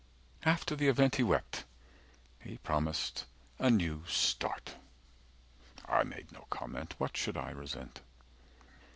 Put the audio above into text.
After the event He wept. He promised 'a new start.' I made no comment. What should I resent?"